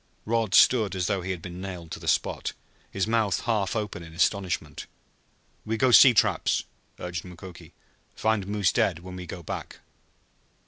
Rod stood as though he had been nailed to the spot, his mouth half open in astonishment. "We go see traps," urged Mukoki. "Find moose dead when we go back."